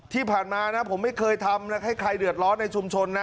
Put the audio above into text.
ที่ผ่านมานะผมไม่เคยทำให้ใครเดือดร้อนในชุมชนนะ